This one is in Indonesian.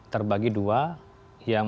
terbagi dua yang